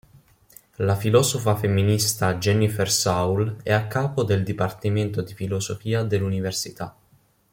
La filosofa femminista Jennifer Saul è a capo del Dipartimento di Filosofia dell'università.